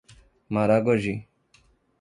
Maragogi